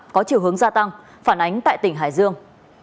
có chiều hướng gia tăng phản ánh tại tỉnh hải dương